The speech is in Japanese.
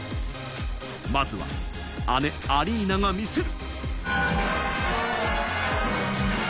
まずは姉・アリーナが見せる。